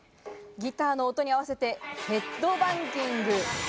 ギターの音に合わせてヘッドバンギング。